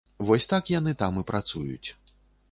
Вось так яны там і працуюць.